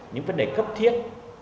những vấn đề cấp thiết